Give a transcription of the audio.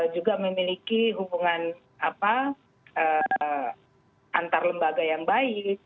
juga memiliki hubungan antar lembaga yang baik